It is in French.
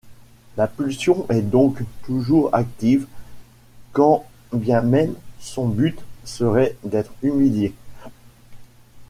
La pulsion est donc toujours active, quand bien même son but serait d'être humilié.